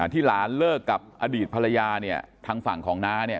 ที่หลานเลิกกับอดีตภรรยาเนี่ยทางฝั่งของน้าเนี่ย